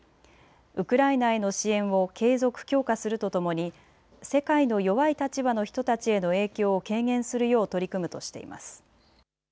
ウクライナへの支援を継続、強化するとともに世界の弱い立場の人たちへの影響を軽減するよう取り組むとしています。